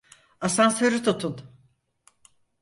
Asansörü tutun!